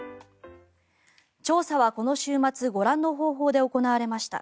調査は、この週末ご覧の方法で行われました。